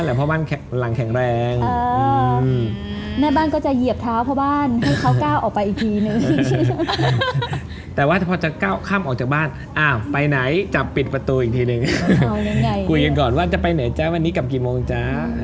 ตรงนี้ไม่รู้ใครคุมใครนะ